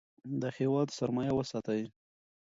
د هیواد سرمایه وساتئ.